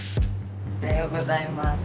おはようございます。